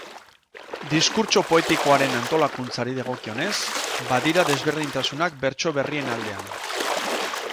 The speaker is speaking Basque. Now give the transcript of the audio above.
Diskurtso poetikoaren antolakuntzari dagokionez, badira desberdintasunak bertso berrien aldean.